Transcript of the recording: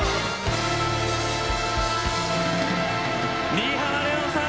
新浜レオンさん